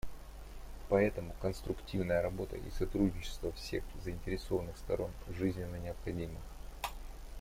Поэтому конструктивная работа и сотрудничество всех заинтересованных сторон жизненно необходимы.